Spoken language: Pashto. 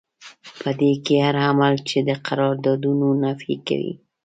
په دې کې هر عمل چې د قراردادونو نفي کوي.